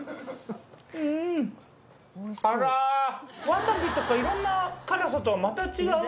ワサビとかいろんな辛さとはまた違う。